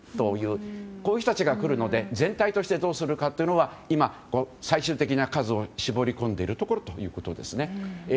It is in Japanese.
こういう人たちが来るので全体としてどうするかは今、最終的な数を絞り込んでいるところということです。